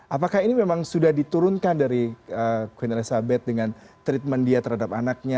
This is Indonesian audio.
apakah ini memang sudah diturunkan dari queen elizabeth dengan treatment dia terhadap anaknya